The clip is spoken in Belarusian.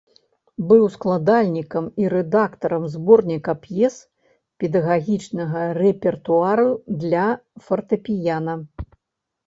Быў складальнікам і рэдактарам зборніка п'ес педагагічнага рэпертуару для фартэпіяна.